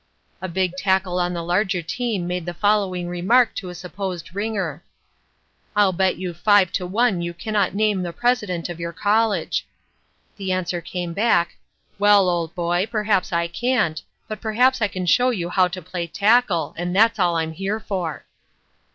A big tackle on the larger team made the following remark to a supposed ringer: "'I'll bet you five to one you cannot name the president of your college.' The answer came back, 'Well, old boy, perhaps I can't, but perhaps I can show you how to play tackle and that's all I'm here for.'"